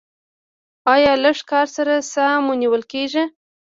ایا لږ کار سره ساه مو نیول کیږي؟